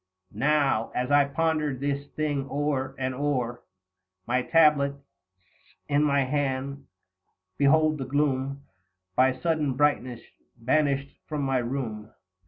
100 Now, as I pondered this thing o'er and o'er, My tablets in my hand, behold the gloom By sudden brightness banished from my room, L.